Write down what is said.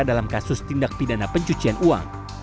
dalam kasus tindak pidana pencucian uang